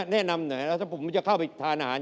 แนะนำหน่อยต้อนเถียงจะเข้าไปกับอาหารละ